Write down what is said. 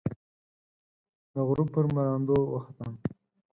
د غروب پر مراندو، وختم